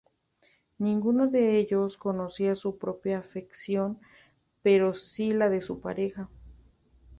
Ninguno de ellos conocía su propia afección, pero sí la de su pareja.